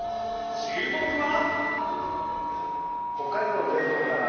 注目は。